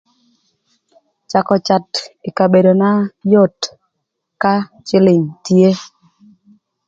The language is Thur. Cakö cath ï kabedona yot ka cïlïng tye.